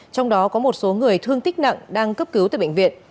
trong đó có một số người thương tích nặng đang cấp cứu tại bệnh viện